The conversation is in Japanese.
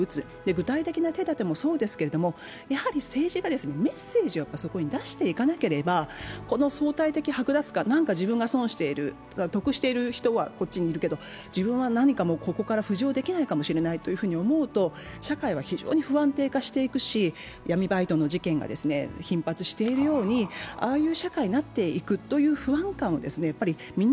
具体的な手立てもそうですが、政治がメッセージをそこに出していかなければこの相対的剥奪感、自分が損している、得している人はこっちにいるけど何か自分はここから浮上できないかもしれないと思うと社会は非常に不安定化していくし、闇バイトの事件が「ポテトデラックス」って何がデラックスなんですか？